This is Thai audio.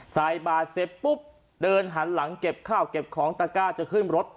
ใส่บาทเสร็จปุ๊บเดินหันหลังเก็บข้าวเก็บของตะก้าจะขึ้นรถ